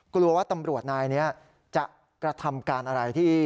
กลัวว่าตำรวจนายนี้จะกระทำการอะไรที่